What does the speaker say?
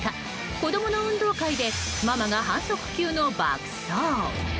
子供の運動会でママが反則級の爆走。